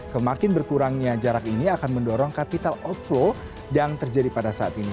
kemakin berkurangnya jarak ini akan mendorong capital outflow yang terjadi pada saat ini